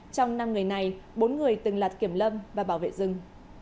trong năm người này bốn người từng là kiểm lâm và bảo vệ rừng